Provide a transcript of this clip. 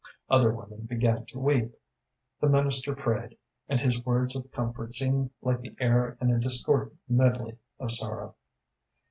Other women began to weep. The minister prayed, and his words of comfort seemed like the air in a discordant medley of sorrow.